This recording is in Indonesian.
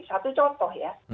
satu contoh ya